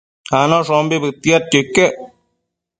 Anoshombi bëtiadquio iquec